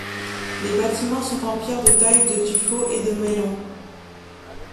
Les bâtiments sont en pierre de taille de tuffeau et moellons.